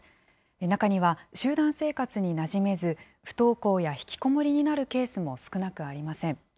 中には、集団生活になじめず、不登校や引きこもりになるケースも少なくありません。